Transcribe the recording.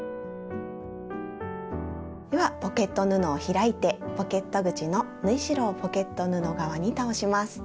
ではポケット布を開いてポケット口の縫い代をポケット布側に倒します。